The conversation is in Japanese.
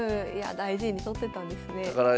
大事に取ってたんですね。